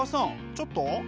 ちょっと？